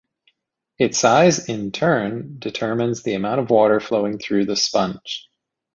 Its size, in turn, determines the amount of water flowing through the sponge.